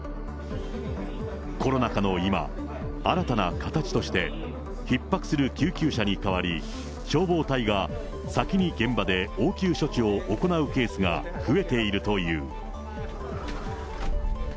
コロナ禍の今、新たな形として、ひっ迫する救急車に代わり、消防隊が先に現場で応急処置を行うケースが増えているという。